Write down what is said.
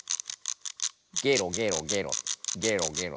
ゲロゲロゲロゲロゲロ。